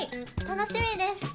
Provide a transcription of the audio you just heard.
楽しみです。